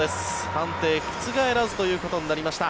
判定覆らずということになりました。